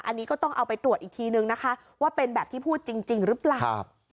อันนี้ก็ต้องเอาไปตรวจอีกทีนึงนะคะว่าเป็นแบบที่พูดจริงหรือเปล่า